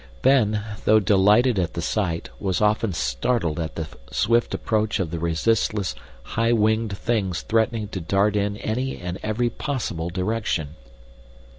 Ben, though delighted at the sight, was often startled at the swift approach of the resistless, high winged things threatening to dart in any and every possible direction.